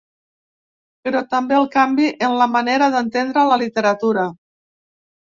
Però també el canvi en la manera d’entendre la literatura.